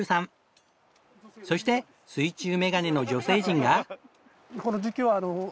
そして水中メガネの女性陣が。